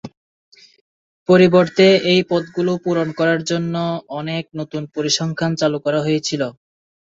পরিবর্তে, এই পদগুলি পূরণ করার জন্য অনেক নতুন পরিসংখ্যান চালু করা হয়েছিল।